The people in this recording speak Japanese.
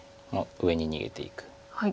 上に逃げていく。